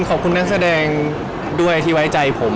ขอบคุณนักแสดงด้วยที่ไว้ใจผม